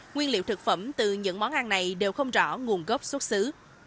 nguyên liệu thực phẩm từ những món ăn này đều không rõ nguồn gốc xuất xứ